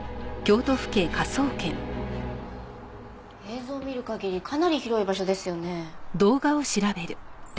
映像を見る限りかなり広い場所ですよね。